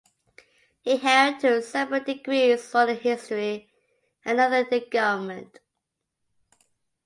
He held two separate degrees, one in history and another in government.